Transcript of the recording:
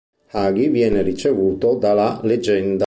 Hughie viene ricevuto da La Leggenda.